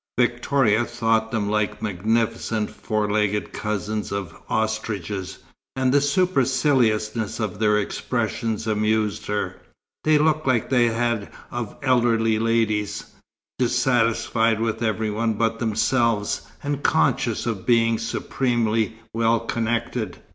Victoria thought them like magnificent, four legged cousins of ostriches, and the superciliousness of their expressions amused her; the look they had of elderly ladies, dissatisfied with every one but themselves, and conscious of being supremely "well connected."